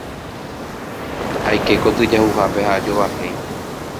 Aike kotyjahuhápe ha ajovahéi.